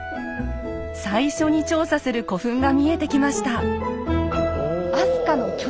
最初に調査する古墳が見えてきました。